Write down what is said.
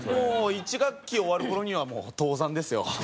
１学期終わる頃にはもう倒産ですよ！